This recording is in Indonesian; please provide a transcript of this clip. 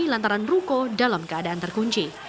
lantaran ruko dalam keadaan terkunci